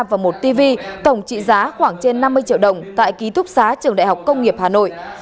và một tv tổng trị giá khoảng trên năm mươi triệu đồng tại ký túc xá trường đại học công nghiệp hà nội